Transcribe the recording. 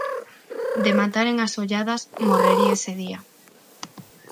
De mataren as olladas, morrería ese día.